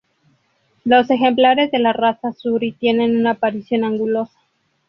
Los ejemplares de la raza Suri tienen una apariencia angulosa.